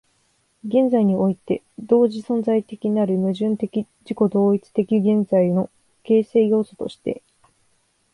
現在において同時存在的なる矛盾的自己同一的現在の形成要素として、